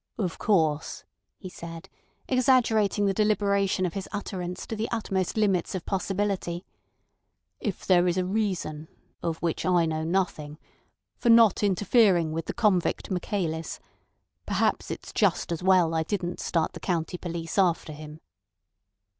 "Of course," he said, exaggerating the deliberation of his utterance to the utmost limits of possibility, "if there is a reason, of which I know nothing, for not interfering with the convict Michaelis, perhaps it's just as well I didn't start the county police after him."